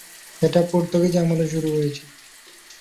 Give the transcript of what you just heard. এটা পর্তুগিজ আমলে শুরু হয়েছিলো।